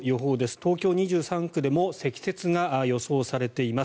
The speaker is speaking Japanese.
東京２３区でも積雪が予想されています。